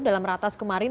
dalam ratas kemarin